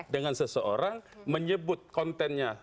dengan seseorang menyebut kontennya